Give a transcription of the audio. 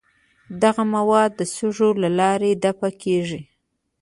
دغه مواد د سږو له لارې دفع کیږي.